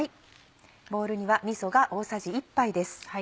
ボウルにはみそが大さじ１杯です。